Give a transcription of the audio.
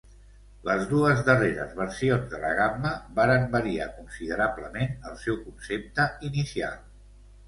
Les dues darreres versions de la gamma varen variar considerablement el seu concepte inicial.